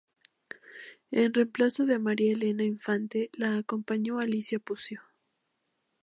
En reemplazo de María Elena Infante la acompañó Alicia Puccio.